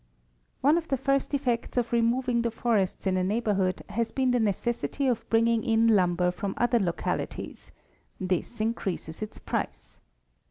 One of the first effects of removing the forests in a neighborhood has been the necessity of bringing in lumber from other localities ; this increases its price.